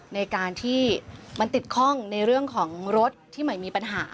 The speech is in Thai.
ในการที่มันติดข้องในเรื่องของรถที่ใหม่มีปัญหา